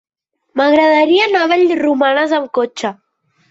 M'agradaria anar a Vallromanes amb cotxe.